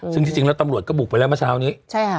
ซึ่งที่จริงแล้วตำรวจก็บุกไปแล้วเมื่อเช้านี้ใช่ค่ะ